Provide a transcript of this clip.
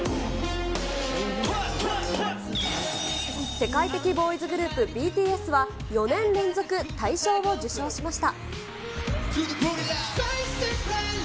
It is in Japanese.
世界的ボーイズグループ、ＢＴＳは、４年連続大賞を受賞しました。